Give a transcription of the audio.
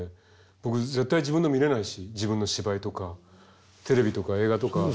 僕絶対自分の見れないし自分の芝居とかテレビとか映画とか。